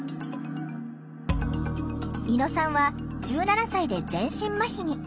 猪野さんは１７歳で全身まひに。